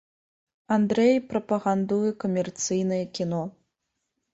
Андрэй прапагандуе камерцыйнае кіно.